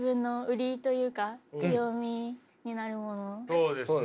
そうですね